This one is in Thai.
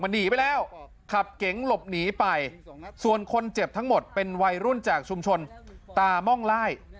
หนีไปแล้วขับเก๋งหลบหนีไปส่วนคนเจ็บทั้งหมดเป็นวัยรุ่นจากชุมชนตาม่องไล่